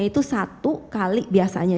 itu satu kali biasanya